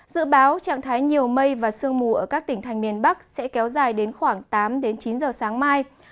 dự báo trạng thái nhiều mây và sương mù ở các tỉnh thành miền bắc sẽ kéo dài đến khoảng tám chín giờ sáng mai